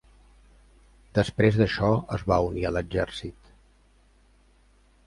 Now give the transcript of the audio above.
Després d'això es va unir a l'exèrcit.